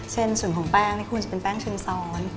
เช่นส่วนของแป้งควรจะเป็นแป้งชึมซ้อน